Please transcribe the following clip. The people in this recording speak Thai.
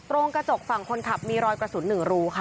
โรงกระจกฝั่งคนขับมีรอยกระสุน๑รูค่ะ